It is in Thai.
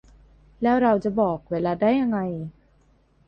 แล้วเราจะบอกเวลาได้ยังไง